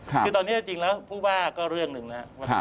คือตอนนี้จริงแล้วผู้ว่าก็เรื่องหนึ่งนะครับ